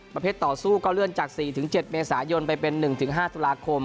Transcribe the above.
ต่อสู้ก็เลื่อนจาก๔๗เมษายนไปเป็น๑๕ตุลาคม